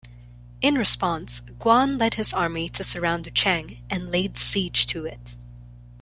In response, Guan led his army to surround Duchang and laid siege to it.